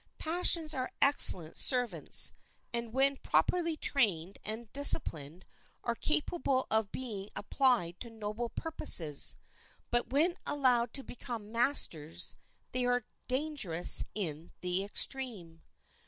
Passions are excellent servants, and when properly trained and disciplined are capable of being applied to noble purposes; but when allowed to become masters they are dangerous in the extreme.